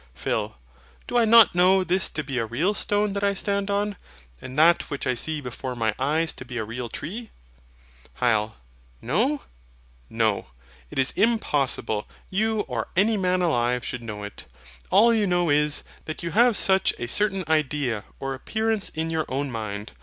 PHIL. Do I not know this to be a real stone that I stand on, and that which I see before my eyes to be a real tree? HYL. KNOW? No, it is impossible you or any man alive should know it. All you know is, that you have such a certain idea or appearance in your own mind.